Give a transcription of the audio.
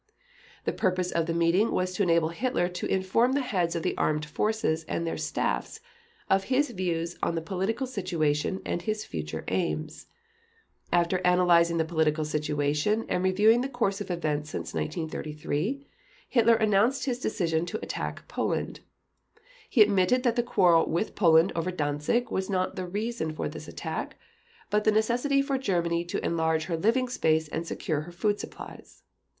The purpose of the meeting was to enable Hitler to inform the heads of the Armed Forces and their staffs of his views on the political situation and his future aims. After analyzing the political situation and reviewing the course of events since 1933, Hitler announced his decision to attack Poland. He admitted that the quarrel with Poland over Danzig was not the reason for this attack, but the necessity for Germany to enlarge her living space and secure her food supplies.